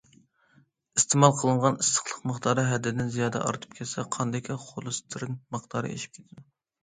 ئىستېمال قىلىنغان ئىسسىقلىق مىقدارى ھەددىدىن زىيادە ئارتىپ كەتسە، قاندىكى خولېستېرىن مىقدارى ئېشىپ كېتىدۇ.